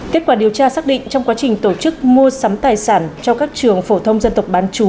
kết quả điều tra xác định trong quá trình tổ chức mua sắm tài sản cho các trường phổ thông dân tộc bán chú